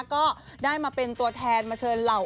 ก็ได้มาเป็นตัวแทนมาเชิญเหล่า